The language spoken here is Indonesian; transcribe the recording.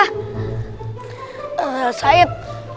ya mas sain